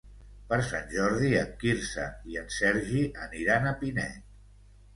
Per Sant Jordi en Quirze i en Sergi aniran a Pinet.